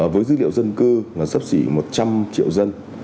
với dữ liệu dân cư là sắp xỉ một trăm linh triệu dân